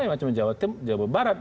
yang macam jawa timur jawa barat